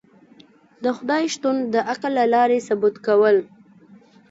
د خدای شتون د عقل له لاری ثبوت کول